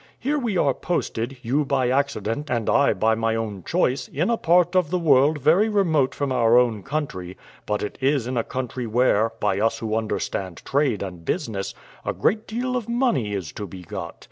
Here we are posted, you by accident and I by my own choice, in a part of the world very remote from our own country; but it is in a country where, by us who understand trade and business, a great deal of money is to be got.